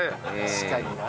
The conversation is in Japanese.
確かにな。